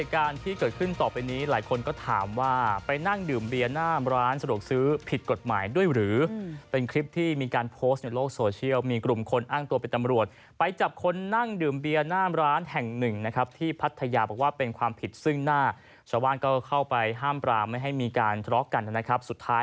การที่เกิดขึ้นต่อไปนี้หลายคนก็ถามว่าไปนั่งดื่มเบียร์หน้าร้านสะดวกซื้อผิดกฎหมายด้วยหรือเป็นคลิปที่มีการโพสต์ในโลกโซเชียลมีกลุ่มคนอ้างตัวเป็นตำรวจไปจับคนนั่งดื่มเบียร์หน้ามร้านแห่งหนึ่งนะครับที่พัทยาบอกว่าเป็นความผิดซึ่งหน้าชาวบ้านก็เข้าไปห้ามปรามไม่ให้มีการทะเลาะกันนะครับสุดท้าย